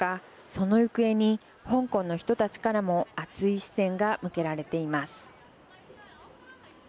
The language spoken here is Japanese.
その行方に香港の人たちからも熱い視線が向けられています。